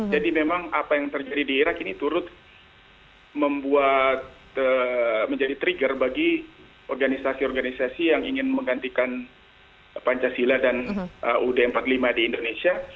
jadi memang apa yang terjadi di irak ini turut membuat menjadi trigger bagi organisasi organisasi yang ingin menggantikan pancasila dan ud empat puluh lima di indonesia